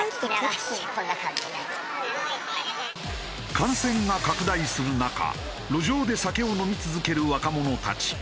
感染が拡大する中路上で酒を飲み続ける若者たち。